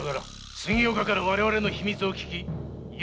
杉岡から我々の秘密を聞き伊予